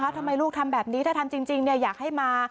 ทำไมลูกทำแบบนี้ถ้าทำจริงอยากให้มา